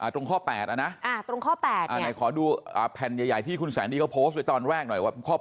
แต่อย่างน้อยขอดูแผนใหญ่ที่คุณแสนดีเค้าโพสต์ไปตอนแรกหน่อยว่าข้อ๘